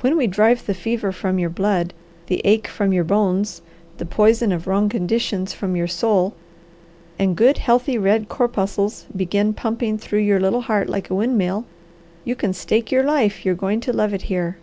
When we drive the fever from your blood, the ache from your bones, the poison of wrong conditions from your soul, and good, healthy, red corpuscles begin pumping through your little heart like a windmill, you can stake your life you're going to love it here.